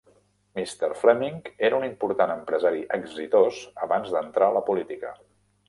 Mr. Fleming era un important empresari exitós abans d'entrar a la política.